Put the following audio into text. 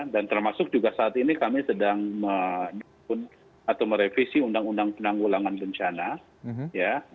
dan termasuk juga saat ini kami sedang merevisi undang undang penanggulangan bencana ya